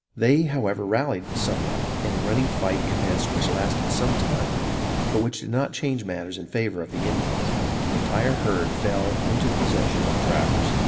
They, however, rallied somewhat, and a running fight commenced which lasted some time, but which did not change matters in favor of the Indians. The entire herd fell into the possession of the trappers.